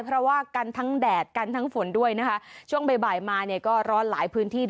เพราะว่ากันทั้งแดดกันทั้งฝนด้วยนะคะช่วงบ่ายบ่ายมาเนี่ยก็ร้อนหลายพื้นที่